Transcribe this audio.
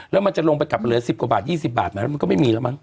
แล้วมันจะลงไปกลับเหลือ๑๐กว่าบาท๒๐บาทไหมแล้วมันก็ไม่มีแล้วมั้